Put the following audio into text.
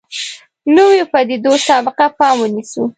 نویو پدیدو سابقه پام ونیسو.